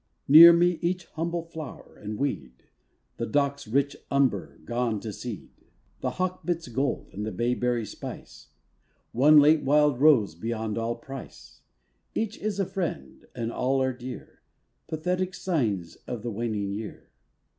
Near me each humble flower and weed The dock's rich umber, gone to seed, The hawk bit's gold, the bayberry's spice, One late wild rose beyond all price; Each is a friend and all are dear, Pathetic signs of the waning year.